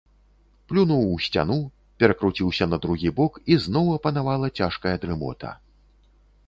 Плюнуў у сцяну, перакруціўся на другі бок, і зноў апанавала цяжкая дрымота.